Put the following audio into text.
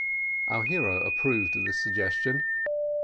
Our hero approved of this suggestion.